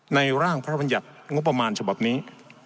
ร่างพระบัญญัติงบประมาณฉบับนี้